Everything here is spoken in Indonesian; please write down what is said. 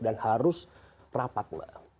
dan harus rapat mbak